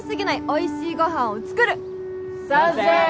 おいしいご飯を作る賛成！